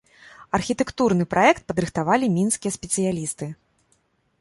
Архітэктурны праект падрыхтавалі мінскія спецыялісты.